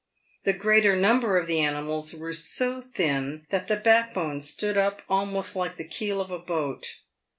The greater number of the animals were so thin that the backbone stood up almost like the keel of a boat.